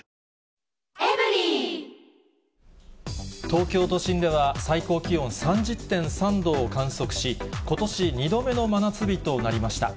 東京都心では、最高気温３０．３度を観測し、ことし２度目の真夏日となりました。